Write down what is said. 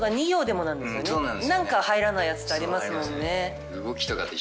何か入らないやつってありますもんね。